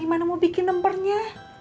gimana mau bikin nomernya